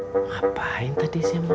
ngapain tadi saya mau kesini